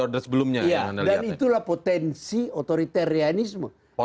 dan itulah potensi otoritarianisme